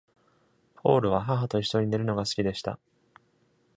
ポールは母といっしょに寝るのが好きでした。